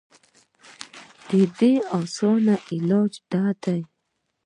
د دې اسان علاج دا دے